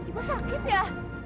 ibu sakit ya